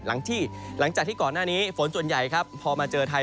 หลังจากที่ก่อนหน้านี้ฝนส่วนใหญ่พอมาเจอไทย